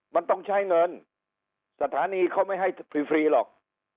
มันต้องใช้เงินสถานีเขาไม่ให้ฟรีหรอก